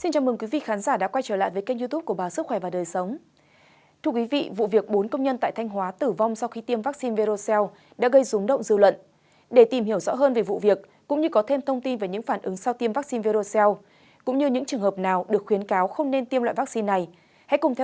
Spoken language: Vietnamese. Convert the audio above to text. các bạn hãy đăng ký kênh để ủng hộ kênh của chúng mình nhé